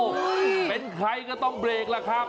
เป็นใครก็ต้องเบรกล่ะครับ